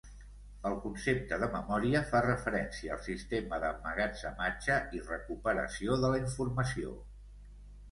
El concepte de memòria fa referència al sistema d'emmagatzematge i recuperació de la informació.